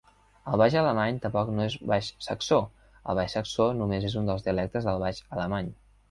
El baix-alemany tampoc no és baix-saxó: el baix-saxó només és un dels dialectes del baix-alemany.